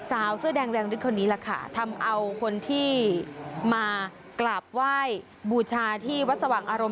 สาวเสื้อแดงแรงลึกคนนี้แหละค่ะทำเอาคนที่มากราบไหว้บูชาที่วัดสว่างอารมณ์